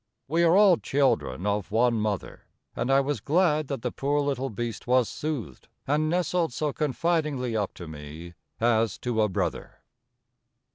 We are all children of one mother, and I was glad that the poor little beast was soothed and nestled so confidingly up to me, as to a brother.